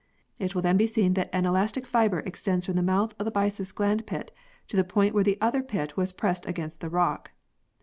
It will then be seen that an elastic fibre extends from the mouth of the byssus gland pit to the point where the other pit was pressed against the rock.